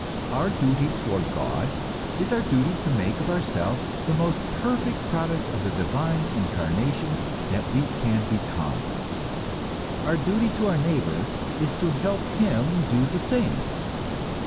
Our duty toward God is our duty to make of ourselves the most perfect product of the Divine Incarnation that we can become. Our duty to our neighbor is to help him to do the same.